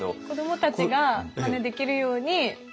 子どもたちがマネできるように。